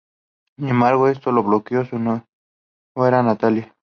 Sin embargo, esto lo bloqueó su nuera, Natalia.